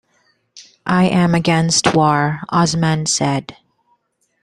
"I am against war," Osman said.